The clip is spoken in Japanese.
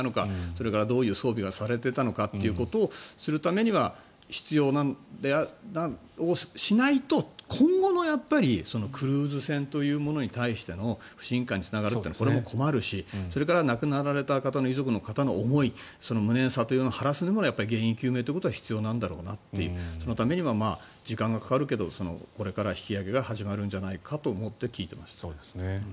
それからどういう装備がされていたのかということをするためには原因究明しないと今後のクルーズ船というものに対しての不信感につながるってのはこれも困るしそれから亡くなられた遺族の方の思い無念さを晴らすにはやっぱり原因究明は必要なんだろうなとそのためには時間がかかるけどこれから引き揚げが始まるんだろうなと思って聞いていましたね。